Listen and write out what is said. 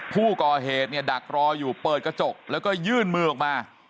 ผู้ก่อเหตุเนี่ยดักรออยู่เปิดกระจกแล้วก็ยื่นมือออกมา